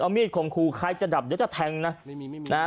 เอามีดของครูใครจะดับเดี๋ยวจะแทงนะไม่มีไม่มีนะฮะ